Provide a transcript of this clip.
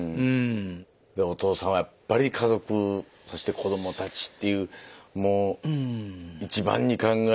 お父さんはやっぱり家族そして子どもたちっていうもう一番に考えてて。